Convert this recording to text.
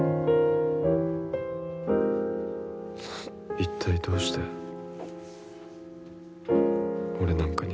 いったい、どうして俺なんかに。